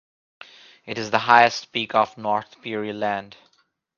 It is the highest peak of North Peary Land.